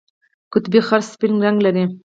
قطبي خرس سپین رنګ لري